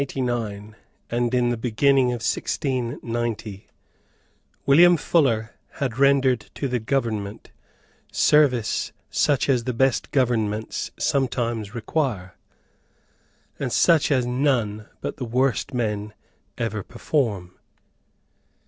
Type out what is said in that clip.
In 1689, and in the beginning of 1690, William Fuller had rendered to the government service such as the best governments sometimes require, and such as none but the worst men ever perform.